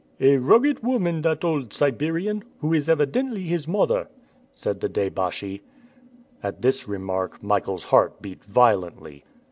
"A rugged woman, that old Siberian, who is evidently his mother," said the deh baschi. At this remark Michael's heart beat violently.